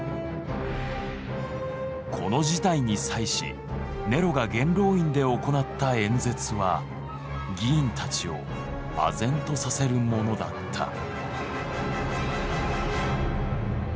この事態に際しネロが元老院で行った演説は議員たちをあぜんとさせるものだった。